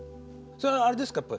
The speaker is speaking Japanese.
それはあれですか？